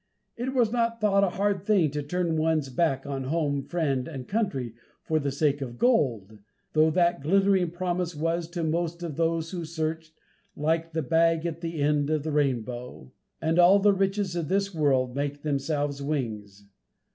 It was not thought a hard thing to turn one's back on home, friends and country, for the sake of gold, though that glittering promise was, to most of those who searched, like the bag at the end of the rainbow, and all the riches of this world "make themselves wings."